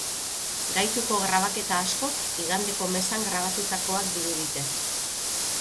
Gaituko grabaketa askok igandeko mezan grabatutakoak dirudite.